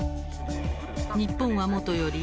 日本はもとより